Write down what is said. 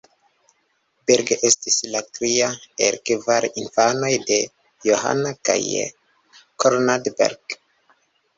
Berg estis la tria el kvar infanoj de Johanna kaj Conrad Berg.